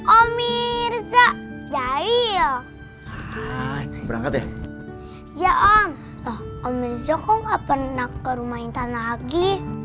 om mirza jahil berangkat ya ya om om mirza kok nggak pernah ke rumah intan lagi